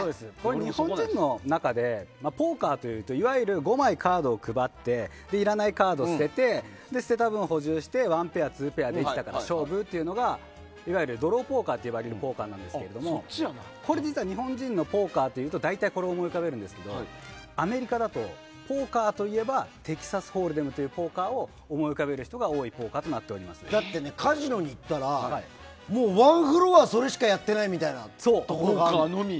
日本人の中でポーカーというといわゆる５枚カードを配っていらないカードを捨てて捨てた分を補充して１ペア、２ペアで勝負というのがいわゆるドローポーカーといわれるやつなんですが日本人のポーカーはこれを思い浮かべるんですがアメリカだとポーカーといえばテキサスホールデムをだってカジノに行ったらワンフロアそれしかやってないところが。